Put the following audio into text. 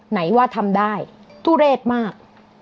ไหนว่าทำได้ทุเรศมาก